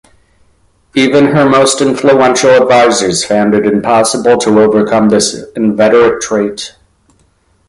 Even her most influential advisers found it impossible to overcome this inveterate trait.